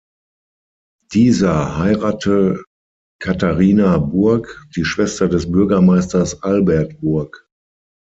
Dieser heirate Catharina Burgh, die Schwester des Bürgermeisters Albert Burgh.